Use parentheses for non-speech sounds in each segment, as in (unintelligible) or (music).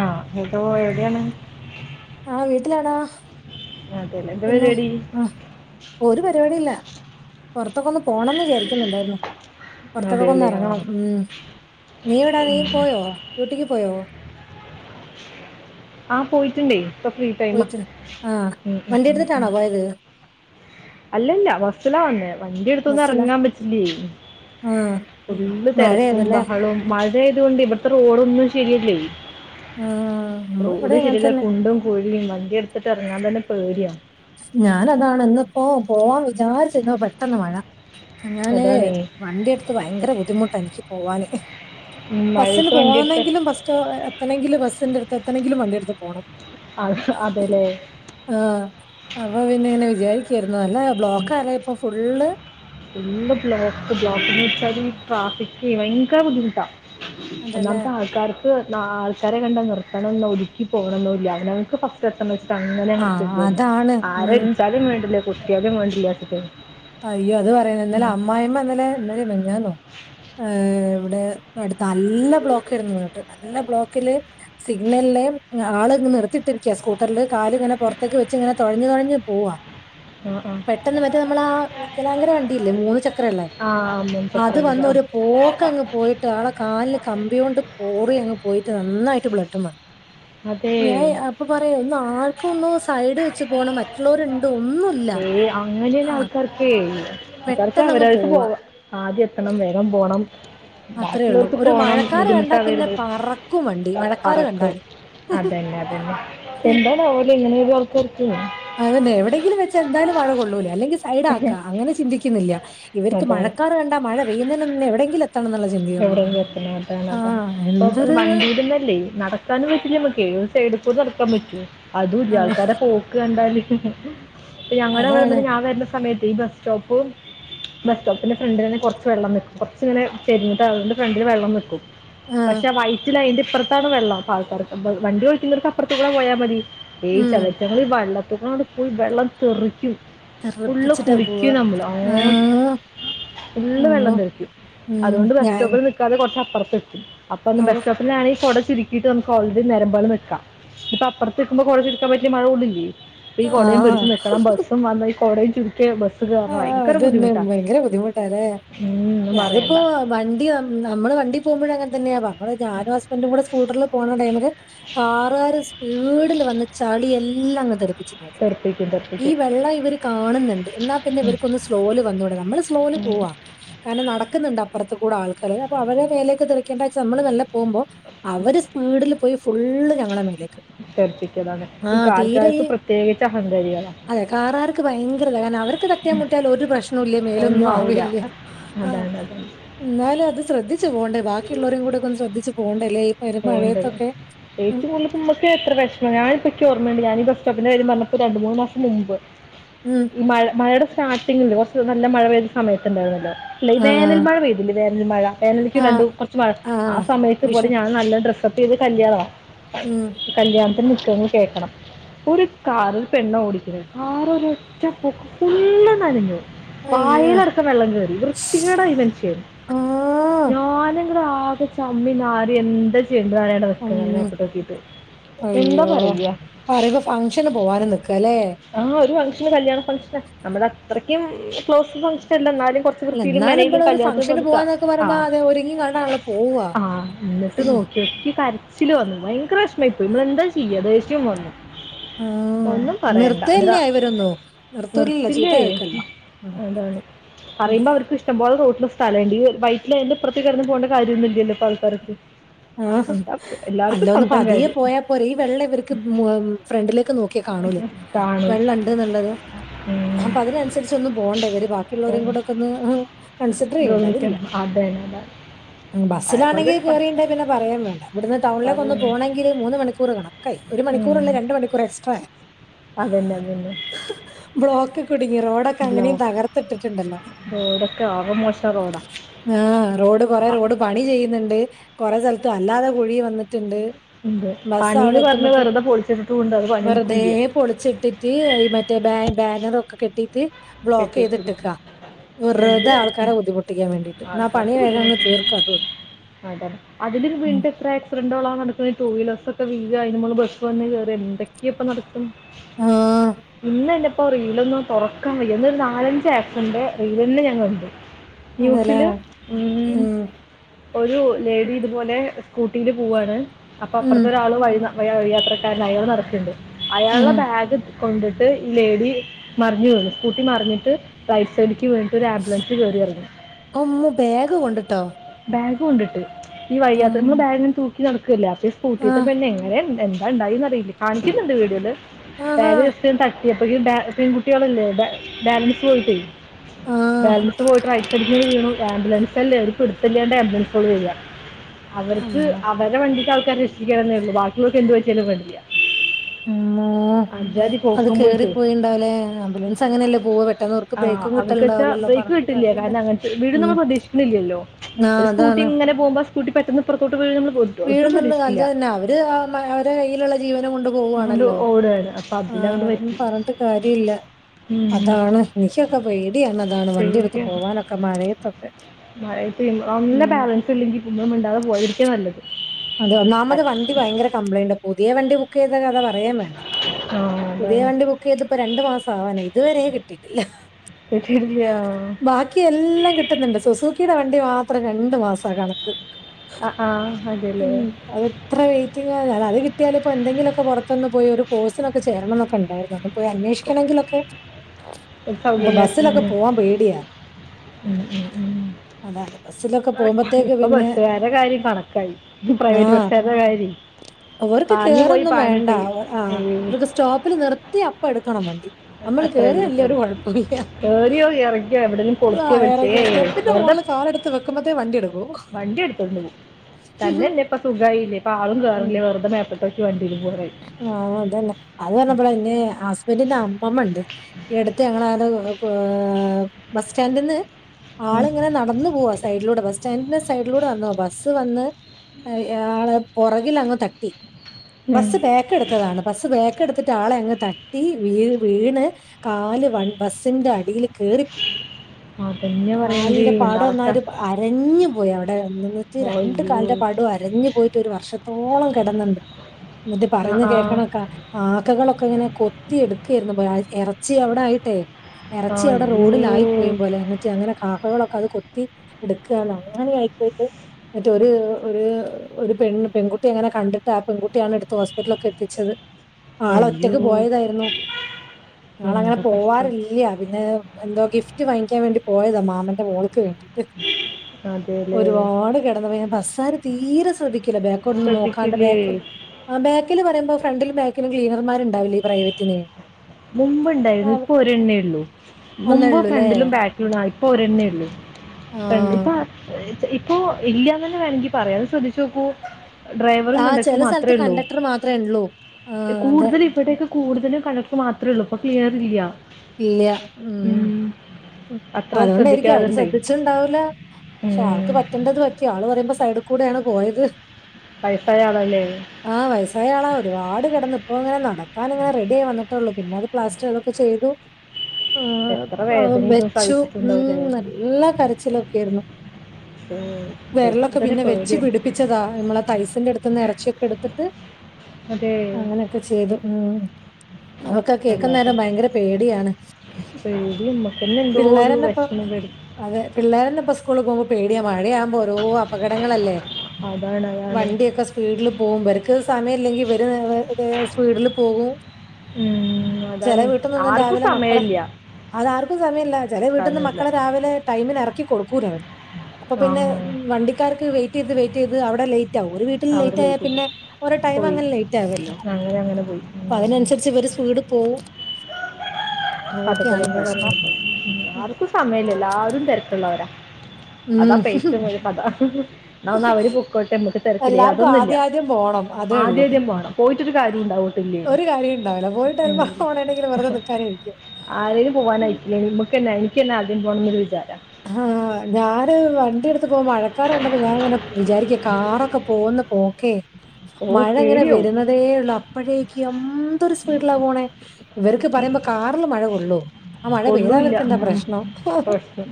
ആഹ് ന്ന്ട്ട്പ്പോഎവിടെയാണ്? ആഹ് വീട്ടിലാണോ അതെയല്ലേ എന്താ പരിപാടി പിന്നെആ ഒര്പര്പാടിഇല്ല പൊർത്തൊക്കൊന്ന് പോണംന്ന് വിചാരിക്കുന്നുണ്ടായിരുന്നു. പൊർത്ത്കൊക്കൊന്ന് അതെയല്ലേ ആ ഇറങ്ങണംഉം നീ എവിടാ നീപോയോ ഡ്യൂട്ടിക്ക് പോയോ? ആഹ് പോയിട്ടുണ്ട ഇപ്പൊ ഫ്രീടൈംമാ പോയിട്ട് ആഹ് ഉം, ഉം, വണ്ടി ഉം, ഉം എടുത്തിട്ടാണോ പോയത് അല്ലല്ല ബസ്സിലാവന്നേവണ്ടി ഇട്ത്തൊന്നും ബസ്സിലാ അറങ്ങാൻപറ്റില്ലേയ് ആഹ് ഫുള്ള്തെർക്കും മഴയാതല്ലേ ബഹളുംമഴയതോണ്ട് ഇവട്ത്തെ റോഡൊന്നുംശെരിയല്ലേ. ആഹ് നമ്മ ഇവിടെ റോഡ് അങ്ങനെ ശെരിയല്ല തന്നെ കുണ്ടുംകുയിം വണ്ടി എടുത്തിട്ട് ഇറങ്ങാൻതെന്നെ പേടിയ ഞാനതാണ് ഇന്നിപ്പോപോവാൻ വിചാരിച്ചിരിന്നു പെട്ടെന്ന്മഴ ഞാന് അതാണേ വണ്ടിയെടുത്ത് ഭയങ്കര ബുദ്ധിമുട്ടാ എനിക്ക്പോവാന് ഉം, ബസ്സിന് മഴയത്ത് പോവു വണ്ടി എടുത്ത് ന്നെങ്കിലും ബസ്റ്റോഏ എത്തെണെങ്കിലും ബസിന്റെടുത്ത് എത്തെണെങ്കിലും വണ്ടിഎടുത്ത് പോണം. ആഹ് അതെലേ. ആഹ് അപ്പൊപിന്നെ ഇങ്ങനെ വിചാരിക്കായിരുന്നു അല്ല ബ്ലോക്കാലേ ഇപ്പൊഫുള്ള് ഫുള്ള്ബ്ലോക്ക് ബ്ലോക്ക്ന്ന് വെച്ചാല് ട്രാഫിക്ക് ഭയങ്കരബുദ്ധിമുട്ടാ അതല്ലേ ഒന്നാംത്തെ ആൾക്കാര് ക്ക്‌ ആൾക്കാരെ കണ്ടാ നിർത്തണന്നോ ഒതുക്കി പോണന്നൂല്യ അവനവൻക് ഫസ്റ്റെ ത്തണം വെച്ചിട്ട് അങ്ങനെങ്ങാണ്ട് ആഹ് പോവെന്നെ അതാണ് ഉം ആരെടിച്ചാലും വേണ്ടില്ല കുത്തിയാലും വേണ്ടില്ല്യാച്ചിട്ട് അയ്യോ അത് പറയുന്ന ഇന്നലെ അമ്മായമ്മന്നെലെ ഇന്നലെ മെഞ്ഞാന്നും ഏ ഇവടെ എടുത്ത നല്ല ബ്ലോക്കേരുന്നു ന്നട്ട് നല്ല ബ്ലോക്കില് സിഗ്നലില് ആള് നിർത്തി ട്ടിരിക്ക സ്കൂട്ടറില് കാല് ഇങ്ങനെ പൊറത്തേക്ക് വെച്ച്ങ്ങനെ തൊഴഞ്തൊഴഞ്ഞ് പോവാ ആ ആ പെട്ടെന്ന് മറ്റേ നമ്മളാ വികലാംഗരെ വണ്ടിയില്ലേ മൂന്ന് ചക്രള്ള ആ അമ്മൻ അത് ചക്രവലിത വന്നൊരു പോക്കങ്ങ് പോയിട്ട് ആളെ കാലില് കമ്പിയോണ്ട് പോറിയങ് പോയിട്ട് നന്നായിട്ട് ബ്ലഡും വ-ന്ന്- അതേ അപ്പൊ പറയാ ഒന്ന് ആൾക്കൊന്ന് സൈഡ് വെച്ച് പോണം മറ്റുള്ളോരുണ്ട് ഒന്നുല്ല ഏ അങ്ങനെയന്നെ ആൾക്കാർക്കെ ആക്കാർക്ക് പെട്ടെന്നങ്ങ് അവരവർക്ക്‌ പോവ ആദ്യത്തണം വേഗം പോണം അത്രേ ഉള്ളൂ ബാക്കിള്ളോര്ക്ക് ഒരു പോണം മഴക്കാറ് കണ്ടാ പിന്നെ ബുദ്ധിമുട്ടാവരുത് പറക്കും വണ്ടി മഴക്കാറ് മറക്കു കണ്ടാല് അതന്നെ അതന്നെ എന്താണാവോല്ലേ ഇങ്ങനെക്കേ ആൾക്കാർക്ക് അതെന്നെ എവിടെങ്കിലും വെച്ചെന്തായാലും മഴ കൊള്ളൂലേ അല്ലെങ്കി സൈഡാക്ക അങ്ങനെ ചിന്തിക്കുന്നില്ല ഇവർക്ക് അതാണ് മഴക്കാറ് കണ്ട മഴെപെയ്യുന്നേന് മുന്നേ എവിടെങ്കിലും എത്തണം എന്നുള്ള ചി എവിടങ്കിലും എത്തണോട്ത്ത് ഇപ്പൊ എന്തൊരു വണ്ടീലെന്നല്ലേ നട ക്കാനും പറ്റില്ല്യേമ്മക്കെയ് ഒര് സൈഡിക്കൂടെ നടക്കാൻ പറ്റോ ആ അതൂല്യ ആൾക്കാരെ പോക്ക് കണ്ടാല് ഇപ്പ അതാണ് ഞങ്ങടെവടെന്നെന്നെ ഞാൻ വര്ന സമയത്ത് ഈ ബസ്റ്റോപ്പും ബസ്റ്റോപ്പിന്റെ ഫ്രണ്ടിലെന്നെ കൊറച്ച് വെള്ളം നിക്കും കൊറച്ചി ഇങ്ങനെ ചെരിഞ്ഞിട്ട് അതുകൊണ്ട് ഫ്രണ്ടില് വെള്ളം നിക്കും ആ പഷെ വൈറ്റ് ലൈനിന്റെ ഇപ്പറത്ത് താണ് വെള്ളം ആള്ക്കാര്ക്ക്‌ വണ്ടി ഓടിക്കുന്നോര്ക്ക് അപ്പറത്തൂടാ പോയാ മതി ഈ ഉം ചെലോറ്റങ്ങളീ വെള്ളത്ത്ക്കാണ്ട് പോയി വെള്ളം തെറിക്കും ഫുള്ള് തെറിപ്പിച്ചിട്ടാ കുളിക്കും പോവാ നമ്മള് ആ ഫുള്ള് അമ്മോ വെള്ളം തെറിക്കും ഉം അതോണ്ട് ഞാൻ ബസ്റ്റോപ്പിൽ നിക്കാതെ കൊറച്ച് അപ്പറത്ത് നിക്കും അപ്പൊണ്ട് ഓ ബസ്റ്റോപ്പിലാണെ ഈ കൊട ചുരു ക്കീട്ട് നമുക്കോൾറെഡി നേരെമ്പോലെ നിക്ക ഇപ്പം അപ്പറത്ത് നിനിക്ക്ബോ കൊട ചുരുക്കാൻ പറ്റോ മഴ കൊള്ളില്ല്യേ ഈ ആ കൊടയും പിടിച്ച് നിക്കണം ബസ്സും വന്ന് ഈ കൊടയും ചുരുക്കേ ബസ് ആ ഭയങ്കര അതന്നെ ബുദ്ധിമുട്ടാ ഭയങ്കര മ്മ് ഒന്നും പറയണ്ട പ്പൊ വണ്ടി നമ്മള് വണ്ടി പോവുമ്പോഴ് അങ്ങതന്നെയാവാ നമ്മള് ഞാനും ഹസ്ബന്റും കൂടെ സ്കൂട്ടറിൽ പോണ ടൈമില് കാറ്ക്കാര് സ്പീടില് വന്ന് ചളിയെല്ലാം അങ്ങ് തെറിപ്പിച് അതെ തെറിപ്പിക്കും ഈ തെറിപ്പിക്കും വെള്ളം ഇവര് കാണുന്നുണ്ട് എന്നാ ഉം. ഇവര്ക്കൊന്ന് സ്ലോല് വന്നൂടെ നമ്മള് സ്ലോല് ഉം. പോവാ കാരണം നടക്കുന്നുണ്ട് അപ്പുറത്ത്കൂടെ ആൾക്കാര് അപ്പൊ അവരെ മേലേക്ക്‌ തെറിക്കേണ്ടച്ച് നമ്മള് മെല്ലെ പോവുമ്പൊ അവര് സ്പീഡില് പോയി ഫുള്ള് ഞങ്ങളെ മേലേക്ക് തെറിപ്പിക്കലാണ് ഈ ആഹ് കാർക്കാർക്ക് തീരെയീ പ്രത്യേകിച്ച് അഹങ്കാരികളാ അതെ കാറാർക്ക് ഭയങ്കരം ഇതാ കാരണം അവർക്ക് തട്ട്യാമുട്ടിയാലൊരു പ്രശ് നൂല്ല്യ ഒന്നും മേലൊന്നും ആവൂല ആവേല്ല്യ ആഹ് അതാണ് അതാണ് എന്നാലു അത് ശ്രദ്ധിച്ചു പോണ്ടേ ബാക്കിയുള്ളോരേം കൂടൊക്കൊന്ന് ശ്രദ്ധിച്ചു പോണ്ടേല്ലേ പോണ്ടെ ഏറ്റു കൂടുതൽ ഇപ്പൊമ്മക്ക്‌ എത്ര വെഷമ ഞാനിപ്പോയ്ക്ക് ഓർമ ഞാനിപ്പോ ഈ ബസ്റ്റോപ്പിന്റെ പറഞ്ഞപ്പൊ രണ്ട് മൂന്ന് മാസം മുമ്പ് (inaudible) ഉം ഈ മഴ മഴയടെ സ്റ്റാർട്ടിങ്ങില്ലേ കൊറച്ച് നല്ല മഴ പെയ്ത സമയത്ത് ഉണ്ടായിര്ന്നല്ലോ അല്ല ഈ ആ വേനൽ മഴ പെയ്തില്ലേ വേനൽ മഴ വേനല്ക്ക് ആ രണ്ട് കൊറച്ച് മഴ ആ സമയത്ത് ഇത് പോലെ വിഷം ഞാൻ നല്ല ഡ്രെസപ്പിയ്ത് കല്യാണവാ ഉം കല്യാണത്തിന് നിക്ക ഇങ്ങള് കേക്കണം ഒരു കാറ് ഒര് പെണ്ണ് ഓടിക്ക്‌ണത് കാറ് രൊറ്റപ്പോക്ക് ഫുള്ള നനഞ്ഞു അയ്യോ വായേലടക്കം വെള്ളം കേറി വൃത്തികേടായി മന്ഷ്യൻ ആ ഞാനങ്ങടാകെ ചമ്മി നാറി എന്താ ചെയ്യണ്ട്ന്നറിയാണ്ട നിക്കങ്ങനെ ഉം മേപ്പട്ടോക്കിട്ട് എന്താ അയ്യോ പറയ പറയുമ്പോ ഫംഗ്ഷന് പോകാനും നിക്ക ലേ ആ ഒരു ഫംഗ്ഷന് കല്യാണ ഫംഗ്ഷന നമ്മൾ അത്രക്കും ക്ലോസ് ഫംഗഷനല്ല എന്നാലും കൊർ അല്ല വൃത്തിയിലും എന്നാലും മെനയിലും ഇവിടെ ഒരു കല്യാത്തിന് പോവാൻ ഫംഗ്ഷന് നിക്കാ പോവാന്നൊക്കെ പറയുമ്പോ ആഹ് അതെ ഒരുങ്ങി കണ്ടാണല്ലോ പോവാ ആഹ് നോക്കി ഇക്ക് കാര ച്ചില് വന്നു ഭയങ്കരം വിഷ്മായിപ്പോയി നമ്മളെന്താ ചെയ്യാ ദേഷ്യം വന്നു ആ ഒന്നും പറയണ്ട നിർത്തല്ലേ ഇവരൊന്നും നിർത്തൂലല്ലോ ചീത്ത എന്താനിർതില്ലേ കേൾക്കല്ലോ ഉം, എതാണ് ഉം. പറയ്മ്പോ അവർക്ക ഇഷ്ട പോലെ റോട്ടിലെ സ്ഥലണ്ട് ഈ വൈറ്റ് ലൈനിന് ഇപ്പൊറത്തിക് കടന്ന് പോണ്ടേ കാര്യൊന്നില്ലല്ലോ ഇപ്പോ ആൾക്കാർക്ക് ആ എന്താ അല്ല എല്ലാർക്കും ഒന്ന് സ്വന്തം പതിയെ കാര്യം പോയാ പോരെ ഈ വെള്ളം ഇവർക്ക് മ് ഫ്രണ്ടിലേക്ക് നോക്കിയാ കാണൂലേ കാണും വെള്ളണ്ട് എന്ന് ഉള്ളത് ഉം. അപ്പൊ അതിനനുസരിചൊന്നു പോണ്ടെ ഇവര് ഉം. ബാക്കിയുള്ളോരൊക്കൊന്ന് കൺസിഡറയ്യേണ്ടെ അതില്ല അത് തന്നെ എട ബസിലാണെങ്കി കേയറീണ്ടേ പിന്നെ പറയാൻ വേണ്ട ഇവിടുന്ന് ടൗണിലേക്ക് ഒന്ന് പറയും പോണങ്കില് മൂന്ന് കണക്കായി ഒരു മണിക്കൂറല്ല രണ്ട് മണിക്കൂർ എക്സ്ട്ര ആയി അതെന്നെ അതെന്നെ ബ്ലോക്ക് കുടിങ്ങി റോഡ അടൊക്കെ അങ്ങനിം ബ്ലോക്ക് തകർത്തിട്ടിട്ട്ണ്ടല്ലോ റോഡൊക്കെ ആകെ മോശം റോഡാ ആ റോഡ് കൊറേ ആ, റോഡ് പണി ചെയ്യ്ന്ന്ണ്ട് കൊറെ സ്ഥലത്ത് അല്ലാതെ കുഴി വന്ന് ണ്ട് എന്ത് ബസ് അവിടെ പണിന്ന് പറഞ്ഞ് എത്തുമ്പക്ക് വെറുതെ പൊളിച്ചിട്ടുണ്ട് അത് വെർതേ പണിയെടുക്കൂല ത്പ്പ് പൊളിച്ചിട്ടിട്ട് മറ്റേ ബാൻ ബാനറൊക്കെ കെട്ടിട്ട് കെട്ടിവെച്ചിരിക്കും ബ്ലോക്കയ്തട്ടക്കാ എന്ത് വെർതെ ആൾക്കാരെ കാര്യത്തിന് ബുദ്ധിമുട്ടിക്കാൻ വേണ്ടിയിട്ട് ന്നാ വേഗം അങ്ങ് തീർക്കോ അതൂ അത അതിന് വീണിട്ട് എത്ര ആക്സിഡന്റോള നടക്ക്ണ ടു വീലേഴ്സൊക്കെ വീ അതിന് മോള് ബസ് വന്ന് കേറി എന്തൊക്കെയ ഇപ്പ നടക്കുന്ന ആഹ് ഇന്നന്നെ ഇപ്പൊ റീലൊന്നും തൊറക്കാൻ വയ്യ ഇന്നൊരു നാലഞ്ച ആക്സിഡന്റെ റീൽ ഇന്ന് ഞ കണ്ടു അതേല്ലേ ന്യൂസില് ഉം ഒരു ലേഡി ഇതുപോലെ സ്കൂട്ടിയില് പോവ്വാണ് അപ്പൊ ഉം അപ്പുറത്തൊരാള് വഴി നട് വഴി യാത്രക്കാരന് അയാൾ നടക്കണ്ട് അയാളുടെ ഉം ബാഗ് കൊണ്ടിട്ട് ഈ ലേഡി മറിഞ് വീണ് സ്കൂട്ടി മറിഞ്ഞിട്ട് റൈറ്റ് സൈഡിക്ക് വീണിട്ട് ഒരു ആംബുലൻസ് കയറിയറങ്ങി മ് ബാഗ് കൊണ്ടിട്ടോ ബാഗ് കൊണ്ടിട്ട് ഈ വഴിയാത്ര അമ്മ് ബാഗും തൂക്കി നടക്കല്ലേ അപ്പൊ സ്കൂട്ടിത്തെ ആഹ് പെണ്ണ് നേരെ ടന്നേ എന്തണ്ടായിന്നറിയില്ല കാണിക്കുന്ന്ണ്ട് വീഡിയോൽ ആഹാ ബാഗ് ജസ്റ്റ്‌ ഒന്ന് തട്ട എപ്പ ബാ പെൺകട്ടികളല്ലേ ബാ ബാലൻസ് പോയിട്ടേ ആഹ് ബാലൻസ് പോയിട്ട് റൈറ്റ് സൈഡിക്ക് വീണു ആംബുലൻസല്ലേ ന്റെ ആംബുലൻസൊള്ളൂ വര അവർക്ക് അമ്മോ അവ അവരെ വണ്ടിലെ ആൾക്കാരെ രക്ഷിക്കണന്നേള്ളൂ ബാക്കിളോർക്കെ എന്ത് പറ്റിയാലും കൊയപ്പല്യ ഓ അത് കേറി പോയിണ്ടാവുല്ലേ ആംബുലൻസ് അങ്ങനെയല്ലേ പോവ പെട്ടെന്നോർക്ക് ആ ബ്രേക്കും അവർക്ക് വെച്ചാൽ കിട്ടുണ്ടാവുലല്ല ബ്രേക്ക് കിട്ടില്ല കാരണം അങ്ങനത്തെ വീഴും നമ്മൾ പ്രതീക്ഷിക്കുന്നില്ല ല്ലോ ആഹ് ഒരു അതാണ് സ്കൂട്ടിങ്ങനെ പോക്മ്പോ സ്കൂട്ടി പെട്ടന്ന് ഇപ്പറത്തോട്ട് വീ വീഴ്ന്നുള്ള കല്ല് തന്നെ അവര് അവരെ കയ്യിലുള്ള ജീവനും കൊണ്ട് അതുകൊണ്ട് പോവാണല്ലോ ഓടുകയാണ് അപ്പം ആ അതിലങ്ങോട്ട് അവരെ പറ്റി പറഞ്ഞിട്ട് കാര്യ ഇല്ല ഉം. അതാണ് എനിക്കൊക്കെ പേടിയാണ് അതാണ് വണ്ടിടെത്ത് പോവാനൊക്കെ മഴയത്തൊക്കെ മഴയത്തെ നല്ല ഉം ബാലൻസ് ഇല്ലെങ്കി പിന്നെ മിണ്ടാതെ പോവാതിരിക്കാ നല്ലത് അതെ ഒന്നാമത് പറ്റി വണ്ടി ഭയങ്കര കംപ്ലൈന്റ് പുതിയ വണ്ടി ബുക്ക് ചെയ്തെ കഥ പറയേം വേണ്ട ആ പുതിയ അതാണ് വണ്ടി ബുക്ക് ചെയ്തിപ്പോ രണ്ടു മാസം ആവാനായി ഇതുവരെ കിട്ടിട്ടില്ല കിട്ടില്ലാ ബാക്കി എല്ലാം കിട്ടുന്നുണ്ട് സുസൂക്കിയുടെ വണ്ടി മാത്രം രണ്ടു മാസാ കണക്ക് ആ ആ അതെലേ അത്ര വെയറ്റിങ അത് കിട്ടിയാലു ഇപ്പോ എന്തങ്കിലൊക്കെ പുറത്തൊന്ന് പോയി ഒരു കോഴ്സിനൊക്കെ ചേരണം ന്നൊക്കെ ഇണ്ടാർന്നു പോയി കൊ- അന്വേഷിക്കണെങ്കിലൊക്കെ ഒരു ഇപ്പൊ ബസ്സിലൊക്കെ സൗകര്യമാക്കുന്നില്ലേ പോവാൻ പേടിയാ ഉം ഉം അതെഅതെ ബസ്സിലൊക്കെ പോ ഉമ്പത്തേക്ക് പിന്നെ ന്റെ കാര്യം കണക്കായി ഹ് പ്രൈവറ്റ് ബസ്സാരുടെ കാര്യ ഓർക്ക് കേറൊന്നും വേണ്ട ഒ ആഹ ഏയ് അവർക്ക് സ്റ്റോപ്പിൽ നിർത്തി അപ്പ എടുക്കണം വണ്ടി നമ്മള് അത്രേ ഉള്ളൂ കേറിയല്യാ അത്രേ ഒരു ഉള്ളൂ കുഴപ്പമില്ല കയറിയോ ഇറങ്ങിയോ എവിടെയെങ്കിലും കൊളുത്തിയോ വിളിച്ചേ (unintelligible) സ്റ്റ്പ്പിന്റെ വെറുതെ മോൾ കാലഎടുത്ത് വെക്കുമ്പത്തേ വണ്ടി എടുക്കൂ ഹു വണ്ടി എടുത്തോണ്ട് തന്നനെ ഇപ്പ സുഖായില്ലേ ഇപ്പ ആളും കേറില്ലാ വെറതേമേപ്പട്ടോക്കി വണ്ടിൽ പോവായി ആഹ അതന്നെ അഹ് പറഞ്ഞപ്പള ഇഞ്ഞി ഹസ്ബന്റിന്റെ അമ്മമ്മ ഇണ്ട് എടുത്ത് ഞങ്ങളെ ആടെ പ്ഹെ ബസ് സ്റ്റാൻഡിൽന്ന് ഉം. ആളിങ്ങനെ നടന്ന് പോവാ സൈഡിലൂടെ ബസ്സ്സ്റ്റാന്റിന്റെ സൈഡിലൂടെ നടന്നോ ബസ് വന്ന് അഹ് ആള് പുറകിലങ്ങ് തട്ടി ഉം. ബസ്സ് ബാക്ക് എടുത്തതാണ് ബസ് ബേക്ക് എടുത്തിട്ട് ആളെ അങ്ങ് തട്ടി വീ വീണ് കാല് വൺ ബസിന്റെ അടിയിൽ കേറി ഹി അതന്നെ പറയണത് കാലിന്റെ നടക്ക പടൊന്നായിട്ട് അരഞ്ഞു പോയി അവിടെനിന്ന് റ്റ് രണ്ടു അയ്യോ കാൽന്റെ പടും അരഞ്ഞു പോയിട്ട് ഒരു വർഷത്തോളം കെടന്ന്ണ്ട് ആ പറഞ്ഞ് ആ കേക്കണം കഹ ആക്കകളൊക്കെ ഇങ്ങനെ കൊത്തി എടുക്കായിരുന്നു പോ എറച്ചി അവിടായിട്ടേ ഇറച്ചി അവിടെ അയ്യോ റോഡിലായി പോയിം പോലെ എന്നി ച്ചെ അങ്ങനെ കാക്കകളൊക്കെ അത് കൊത്തി എടുക്കുകാണ് അങ്ങനെ ആയിപോയിട്ട് ന്നിട്ട് ഒര് ഒര് ഒരുപെൺ പെൺകുട്ടി എങ്ങനെ കണ്ടിട്ട് ആഹ് പെൺകുട്ടിയാണ് എടുത്ത് ഹോസ് വീട്ടിലൊക്കെ എത്തിച്ചത് അയ്യോ ആളൊറ്റക്ക് പോയതായിരുന്നു ആളങ്ങനെ എന്താ കഷ്ടം പോവാറില്യാ പിന്നെ എന്തോ ഗിഫ്റ്റ് വാങ്ങിക്കാൻ വേണ്ടി പോയതാ മാമന്റെ മോൾക്ക് വേണ്ടി ഹ് അതേലേ ഒരുപാട് കിടന്ന്പോ ഞാൻ ബസ്സാര് തീരെ ശ്രദ്ധിക്കില്ല ബാക്ക് ഒന്നും നോക്കാണ്ടെ ശ്രദ്ധിക്കില്ലേ ബാക്ക് ആഹ് ബാക്കിൽ പറയുമ്പോ ഫ്രണ്ടിൽ ബാക്കിനും ക്ലീനർമാർണ്ടാവില്ലേ ഈ പ്രൈവറ്റിൻ മുബ്ബ്ണ്ടായിരുന്നു ഇപ്പൊ ഒര് എണ്ണേയുള്ളൂ ഒന്നേ മുമ്പ് ഉള്ളൂല്ലേ ഫ്രണ്ടിലും ബാ ഉം ആഹ് ഇപ്പൊ ഒരെണ്ണേ ഉള്ളൂ ആഹ് ഞ്ഞിപ്പ ഹ് ഇപ്പൊ ഇല്യാന്നനെവേണങ്കി പറയാം ന്ന് ശ്രദ്ധിച്ചോക്കൂ ഡ്രൈവറും ആ കണ്ടക്ടറും ചില സ്ഥലത്ത് മാത്രേള്ളൂ കണ്ടക്ടർ മാത്രമേ ഉള്ളൂ ആ ഇ അതെ കൂടുതൽ ഇവിടെയൊക്കെ കൂടുതലും കണ്ടക്ടർ മാത്രേള്ളൂ ഇപ്പോൾ ക്ലിയർ ഇല്യാ ഇല്ല ഉം ഉം അത്ര അതുകൊണ്ടായിരിക്കും അവര് ശ്രദ്ധിക്കാതുണ്ടേ ശ്രദ്ധിച്ച്ണ്ടാവൂല പക്ഷെ ഉം. ആൾക്ക് പറ്റേണ്ടത് പറ്റി ആള് പറയുമ്പോ സൈഡ്കൂടെയാണ് പോയത് ഹ് വൈസായ ആളല്ലേ ആഹ് വയസ്സായ ആളാ ഒരുപാട് കിടന്ന് ഇപ്പോ ഇങ്ങനെ നടക്കാൻ ഇങ്ങനെ റെഡിയായി വന്ന്ട്ടൊള്ളു പിന്നെ അത് പ്ലാസ്റ്റർ ഇതൊക്കെ ചെയ്തു ആഹ് എത്ര ആഹ് വേദന ഇതും വെച്ചു ഉം സഹിച്ചിട്ടുണ്ടാവില്ലേ നല്ല കരച്ചിലൊക്കെയിരുന്നു (unintelligible) വെര്ലൊക്കെ തന്നെ പിന്നെ വെച്ച് പേടിയാണ് പിടിപ്പിച്ചതാ നമ്മളെ തൈസിന്റെ എട്ത്ത്ന്ന് എറച്ചി ഒക്കെ എടുത്തിട്ട് അതെ ക്കെ ചെയ്തു ഉം അവൊക്കെ അല്ലാതെ കേൾക്കുന്നേരം ഭയങ്കര പേ ടിയാണ് പേടി നമുക്ക് തന്നെ എന്തോ ഒരു പിള്ളേരെന്നെ ഇപ്പ വിഷമം വരും അതെ പിള്ളേരന്ന ഇപ്പ സ്കൂളിൽ പോകുമ്പോ പേടിയാ മഴ ആവുമ്പോ ഓരോ അപകടങ്ങളല്ലേ അതാണ് അതാണ് വണ്ടിയൊക്കെ സ്പീഡിൽ പോകും ഇവർക്ക് സമയം ഇല്ലെങ്കിൽ വര് സ്പീഡിൽ പോകും ഉം അതാണേ അഹ് ഇപ്പം രാവിലെ മക്കളെ അത ആർക്കും സമയല്ല ചെല വീട്ടിൽന്ന് സമയമില്ല മക്കളെ രാവിലെ ടൈമിന് എറക്കി കൊടുക്കൂല അവർ ആ അപ്പൊപിന്നെ വണ്ടിക്കാർക്ക് വൈ റ്റ് എഴ്ത് വെറ്റ് ചെയ്ത് അവിടെ ലേറ്റ് ആവും ഒരു വീ (unintelligible) അവിടെ ലൈറ്റ് ആയാ ലേറ്റ് പിന്നെ ഓരോ ടൈം പോയി അങ്ങനെ ലൈറ്റ് ആവല്ലോ അങ്ങനെ ഉം അങ്ങനെ പോയി ഉം. അവനനുസരിച്ച് ഇവര് സ്പീഡ് പോഹു അതൊക്കെ തന്നെ പ്രശ്നം. പറയുന്നത് ആർക്കും സമയല്യ എല്ലാരും തെരക്കുള്ളവരാ ഉം അതാ പൈസ ഉള്ളോരേ കഥ ഹ് ഹ് എന്ന ഒന്ന അവര് പൊക്കോട്ടെ മ്മക്ക് തിരക്കില്ലേ എല്ലാർക്കും അതൊന്നുല്യ ആദ്യം ആദ്യം പോണം അതേ ഉള്ളൂ. ആദ്യ ആദ്യം പോണം പോയിട്ടൊരു കാര്യം ണ്ടാവോട്ടില്ലേനു ഒരു കാര്യം ഉണ്ടാവില്ല. പോയിട്ട് ചെലപ്പോ ഓടേണെങ്കിലും വെറുതെ നിക്കാനായിരിക്കും. ആരേം പോവാനായിട്ടില്ലെങ്കിലു മ്മക്കെന്നെ എനിക്കെന്നെ ആദ്യം പോണം ന്നൊരു വിചാര ആഹ് ഞാന് വണ്ടി ട് പോമ്പോ മഴക്കാറണ്ടപ്പോ ഞാങ്ങനെ വിചാരിക്കെ കാറൊക്കെ പോന്ന പോക്കെ ഓ മഴ ങ്ങനെ പേടിയാവും വെര്ന്നതേ ള്ളു അപ്പോഴേക്കുംമ് ന്ധോര് സ്പീഡ്ലാ പോണേ ഇവർക്ക് പറയുമ്പോ കാറില് മഴ കൊള്ളു ആഹ് മഴ പെയ്താ കൊള്ളൂല്ല അവർക്കെന്താ ഉം, പ്രശ്ണം പ്രശ്നം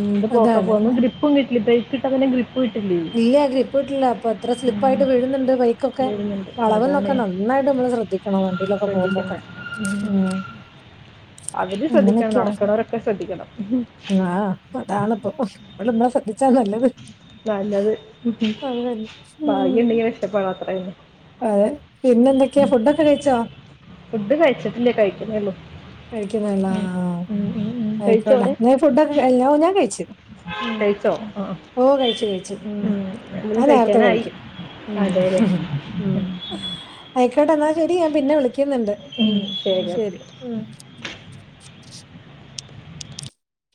എന്ത് പോക്ക പോന്ന് ഗ്രിപ്പും കിട്ടിട്ടെ ബ്രേക്ക് ഇട്ടാ പിന്നെ ഗ്രിപ്പ് (unintelligible) ഇല്ല ഗ്രപ്പ് ട്ട്ല്ല പ്പൊ എത്ര സ്ലിപ്പ് ഉം, ആയിട്ട് വീഴ്ന്ന്ണ്ട് ബൈക്കൊക്കെ വരുന്നുണ്ട് വളവ്ന്നൊക്കെ അതാണ് നന്നായിട്ട് മ്മള് ശ്രദ്ധിക്കണം വണ്ടിലൊക്കെ ശ്രദ്ധിക്കണം പോമ്പോക്കെ ഉം. മ് അവര് ശ്രദ്ധിക്കണം നടക്ണോരോക്കെ ശ്രദ്ധിക്കണം പതാണ്പ്പം വള് ശ്രദ്ധിച്ചാ നല്ലത് നല്ലത് അത് തന്നെ ഉം ഭാഗ്യുണ്ടെങ്കി രക്ഷപ്പെടാ അത്ര തന്നെ അതെ പിന്നെ ന്തൊക്ക്യാ ഫുഡൊക്കെ കഴിച്ചോ ഫുഡ് കഴിച്ചിട്ടില്ല കഴിക്കുന്നേള്ളൂ കഴിക്ക്ന്നേ ള്ളാ ആഹ് ഉം. ആയിക്കോണ്ട കഴിച്ചോടെ നീ ഫുഡൊക്കെ കൈ ല്ലോ ഓ ഞാൻ കയിച്ച് ഉ കഴിച്ചോ ആ ഓ കഴിച്ചു കഴിച്ചു. മ് ഉം, ഞാ എന്തെങ്കിലും നേരത്തെ കഴിക്കാനായി കയ്ക്കും മ് അതെ അല്ലേ മ് ആയിക്കോട്ടെ ന്നാ ശെരി ഞാ പിന്നെ വിളിക്ക്ന്ന്ണ്ട് മ്ഹ് ശരി ഉം